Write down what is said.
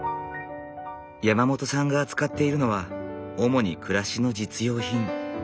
山本さんが扱っているのは主に暮らしの実用品。